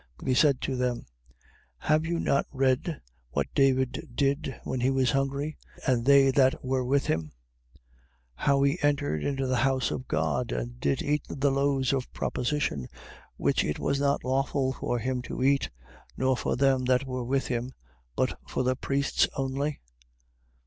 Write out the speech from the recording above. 12:3. But he said to them: Have you not read what David did when he was hungry, and they that were with him: 12:4. How he entered into the house of God, and did eat the loaves of proposition, which it was not lawful for him to eat, nor for them that were with him, but for the priests only?